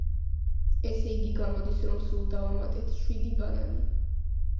ესე იგი, გამოდის, რომ სულ დავამატეთ შვიდი ბანანი.